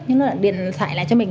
nhưng nó lại điện thoại lại cho mình